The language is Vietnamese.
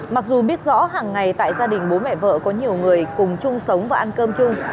mặc dù biết rõ hàng ngày tại gia đình bố mẹ vợ có nhiều người cùng chung sống và ăn cơm chung